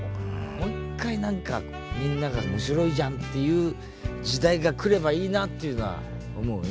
もう一回何かみんなが「面白いじゃん」っていう時代が来ればいいなっていうのは思うね。